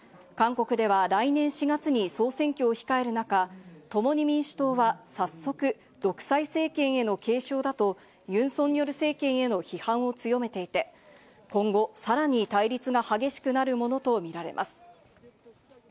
韓国では来年４月に総選挙を控える中、「共に民主党」は早速、独裁政権への警鐘だとユン・ソンニョル政権への批判を強めていて、今後さらに対立が激しくなるものと見られます。